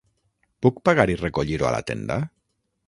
Puc pagar i recollir-ho a la tenda?